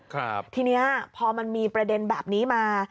ทีเนี้ยพอมันมีประเด็นแบบนี้มา